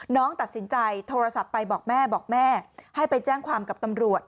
น้องตัดสินใจโทรศัพท์ไปบอกแม่บอกแม่ให้ไปแจ้งความกับตำรวจ